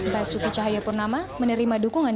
basuki cahaya purnama menerima dukungan